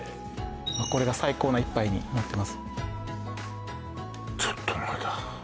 まあこれが最高の一杯になってます